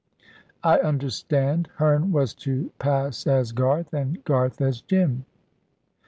"I understand. Herne was to pass as Garth, and Garth as Jim."